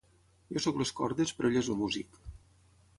Jo sóc les cordes, però ell és el músic.